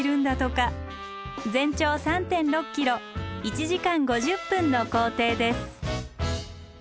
全長３．６ｋｍ１時間５０分の行程です。